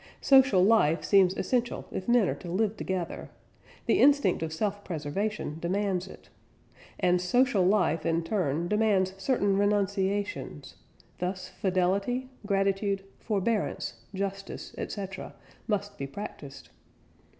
Social life seems essential if men are to live together the instinct of self preservation demands it and social life in turn demands certain renunciations: thus fidelity, gratitude, forbearance, justice, etc., must be practised.